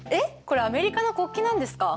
これアメリカの国旗なんですか？